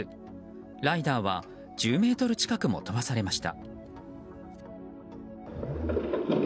ライダーは１０ｍ近くも飛ばされました。